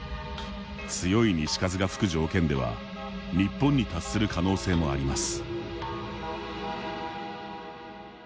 強い西風が吹く条件では日本に達する可能性もあります。